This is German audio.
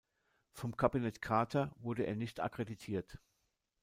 Vom Kabinett Carter wurde er nicht akkreditiert.